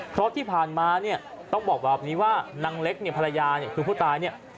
เพราะที่ผ่านมาเนี่ยต้องบอกแบบนี้ว่านางเล็กเนี่ยภรรยาเนี่ยคือผู้ตายเนี่ย